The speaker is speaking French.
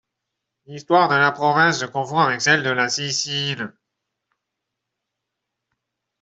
L'histoire de la province se confond avec celle de la Sicile.